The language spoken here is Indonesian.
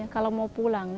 kalau mau pulang